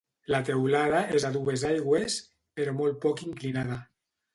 La teulada és a dues aigües però molt poc inclinada.